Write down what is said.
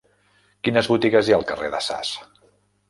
Quines botigues hi ha al carrer de Sas?